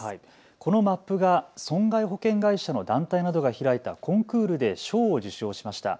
このマップが損害保険会社の団体などが開いたコンクールで賞を受賞しました。